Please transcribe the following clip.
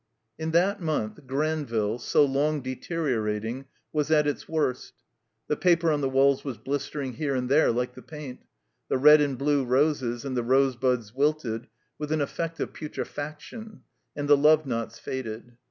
In that month Granville, so long deteriorating, was at its worst. The paper on the walls was blistering here and there Uke the paint ; the red and blue roses and the rosebuds wilted, with an eflEect of putrefaction, and the love knots faded.